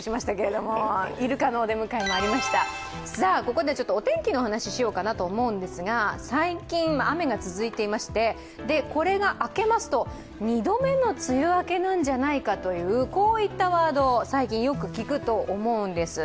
ここでお天気のお話をしようかなと思うんですが最近、雨が続いていましてこれが明けますと、２度目の梅雨明けなんじゃないかといったワードを最近よく聞くと思うんです。